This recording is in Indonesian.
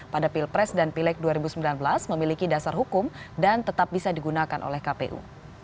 pada pilpres dan pilek dua ribu sembilan belas memiliki dasar hukum dan tetap bisa digunakan oleh kpu